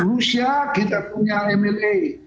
rusia kita punya mla